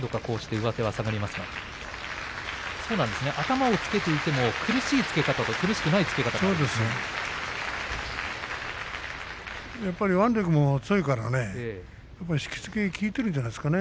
頭をつけていても苦しいつけ方とそうでないつけ方があるんですよね。